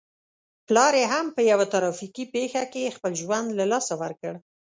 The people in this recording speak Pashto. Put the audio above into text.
پلار يې هم په يوه ترافيکي پېښه کې خپل ژوند له لاسه ور کړ.